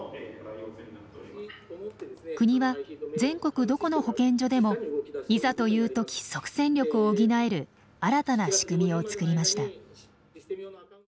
国は全国どこの保健所でもいざという時即戦力を補える新たな仕組みを作りました。